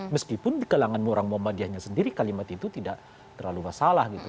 meskipun di kalangan orang muhammadiyahnya sendiri kalimat itu tidak terlalu masalah gitu